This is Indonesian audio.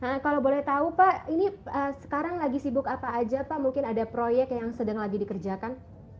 nah kalau boleh tahu pak ini sekarang lagi sibuk apa aja pak mungkin ada proyek yang sedang lagi dikerjakan